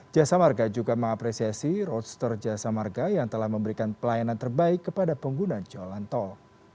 jasa marga juga mengapresiasi roadster jasa marga yang telah memberikan pelayanan terbaik kepada pengguna jalan tol